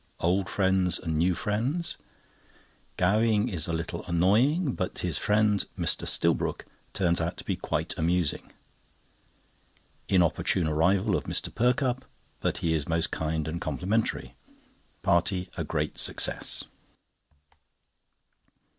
Old Friends and New Friends. Gowing is a little annoying; but his friend, Mr. Stillbrook, turns out to be quite amusing. Inopportune arrival of Mr. Perkupp, but he is most kind and complimentary. Party a great success.